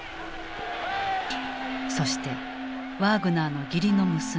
そしてワーグナーの義理の娘